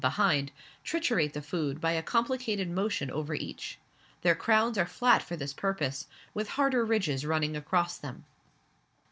behind triturate the food by a complicated motion over each. Their crowns are flat for this purpose, with harder ridges running across them.